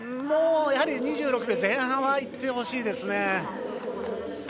やはり２６秒前半はいってほしいですね。